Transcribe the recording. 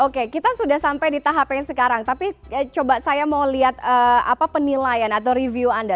oke kita sudah sampai di tahap yang sekarang tapi coba saya mau lihat penilaian atau review anda